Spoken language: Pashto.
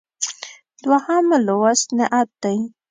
دویم لوست نعت دی.